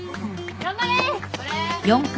頑張れ！